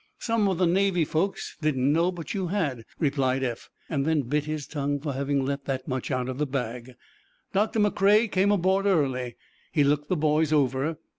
"Some of the Navy folks didn't know but you had," replied Eph, then bit his tongue for having let that much out of the bag. Doctor McCrea came aboard early. He looked the boys over.